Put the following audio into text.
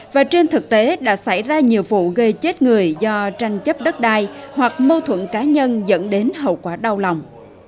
và trên thực tế đã xảy ra nhiều vụ gây chết người do tranh chấp đất đai hoặc mâu thuẫn cá nhân dẫn đến hậu quả đau lòng